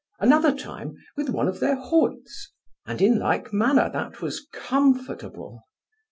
Another time with one of their hoods, and in like manner that was comfortable.